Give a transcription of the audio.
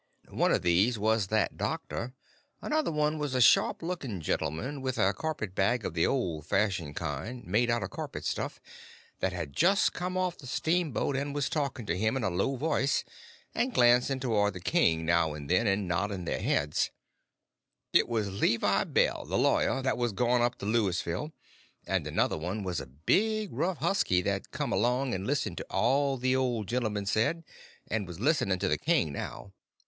One of these was that doctor; another one was a sharp looking gentleman, with a carpet bag of the old fashioned kind made out of carpet stuff, that had just come off of the steamboat and was talking to him in a low voice, and glancing towards the king now and then and nodding their heads—it was Levi Bell, the lawyer that was gone up to Louisville; and another one was a big rough husky that come along and listened to all the old gentleman said, and was listening to the king now.